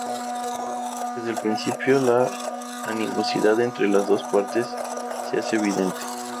Desde el principio, la animosidad entre las dos partes se hace evidente.